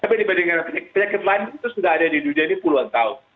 tapi dibandingkan penyakit lain itu sudah ada di dunia ini puluhan tahun